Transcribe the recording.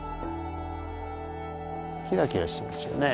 キラキラしてますよね。